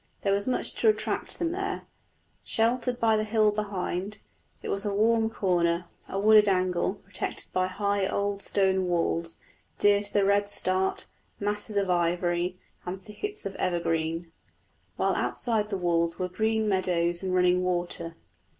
There was much to attract them there: sheltered by the hill behind, it was a warm corner, a wooded angle, protected by high old stone walls, dear to the redstart, masses of ivy, and thickets of evergreens; while outside the walls were green meadows and running water.